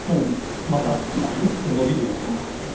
またぐっと伸びるような感じですね。